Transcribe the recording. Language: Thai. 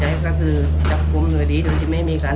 นะครัวว่าตอนนี้เกษตรปัดเข้ากลายมาทำกัน